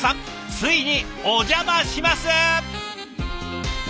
ついにお邪魔します！